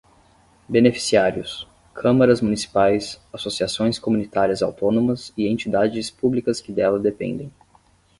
Beneficiários: câmaras municipais, associações comunitárias autónomas e entidades públicas que dela dependem.